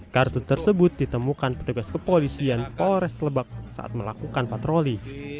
kartu tersebut ditemukan petugas kepolisian polres lebak saat melakukan patroli